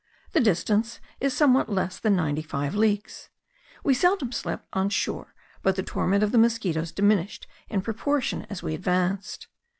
The distance is somewhat less than ninety five leagues. We seldom slept on shore but the torment of the mosquitos diminished in proportion as we advanced.